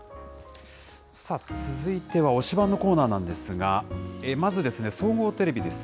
続いては推しバン！のコーナーなんですが、まず、総合テレビです。